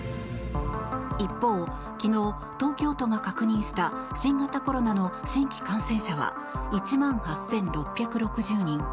一方、昨日東京都が確認した新型コロナの新規感染者は１万８６６０人。